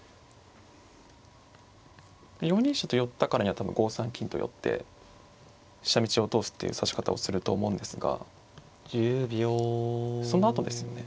４二飛車と寄ったからには多分５三金と寄って飛車道を通すっていう指し方をすると思うんですがそのあとですよね。